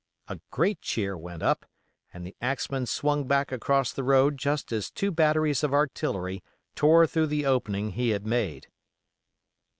A great cheer went up and the axeman swung back across the road just as two batteries of artillery tore through the opening he had made.